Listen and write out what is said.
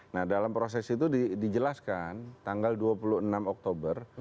nah dalam proses itu dijelaskan tanggal dua puluh enam oktober